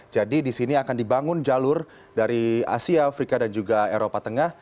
jadi di sini akan dibangun jalur dari asia afrika dan juga eropa tengah